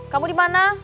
kamu di mana